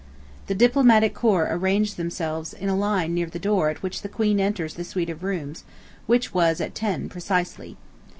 The Diplomatic Corps arrange themselves in a line near the door at which the Queen enters the suite of rooms, which was at ten precisely.